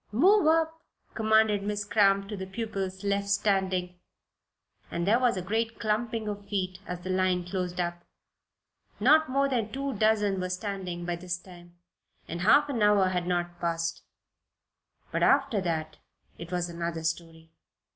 "Move up," commanded Miss Cramp to the pupils left standing, and there was a great clumping of feet as the line closed up. Not more than two dozen were standing by this time, and half an hour had not passed. But after that it was another story.